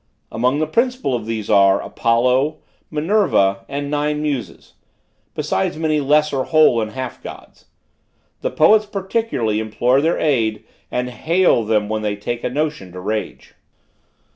Among the principal of these are, Apollo, Minerva, and nine muses; besides many lesser whole and half Gods. The poets particularly implore their aid and 'hail' them when they take a notion to rage.